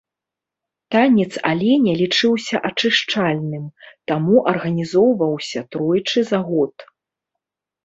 Танец аленя лічыўся ачышчальным, таму арганізоўваўся тройчы за год.